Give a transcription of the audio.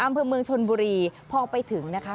อำเภอเมืองชนบุรีพอไปถึงนะคะ